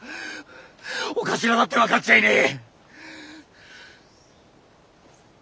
お頭だって分かっちゃいねえ。